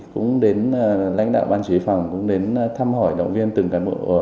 cũng đến lãnh đạo ban chú ý phòng cũng đến thăm hỏi động viên từng cám bộ